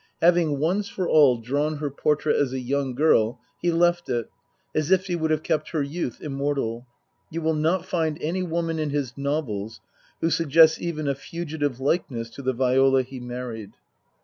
Having once for all drawn her portrait as a young girl, he left it, as if he would have kept her youth immortal. You will not find any woman of his novels who suggests even a fugitive likeness to the Viola he married.